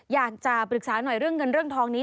อยากจะปรึกษาหน่อยเรื่องเงินเรื่องทองนี้